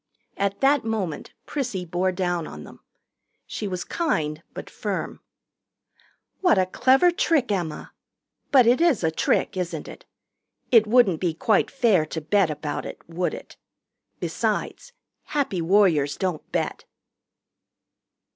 At that moment Prissy bore down on them. She was kind but firm. "What a clever trick, Emma! But it is a trick, isn't it? It wouldn't be quite fair to bet about it, would it? Besides, Happy Warriors don't bet."